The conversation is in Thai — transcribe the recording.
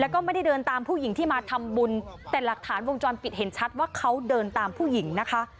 แล้วก็ไม่ได้เดินตามผู้หญิงที่มาทำบุญแต่หลักฐานวงจรปิดเห็นชัดว่าเขาเดินตามผู้หญิงนะคะ